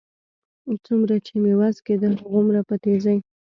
څومره چې مې وس کېده، هغومره په تېزۍ.